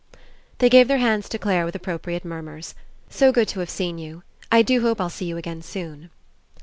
They gave their hands to Clare with appropriate murmurs. "So good to have seen you." ... "I do hope I'll see you again soon."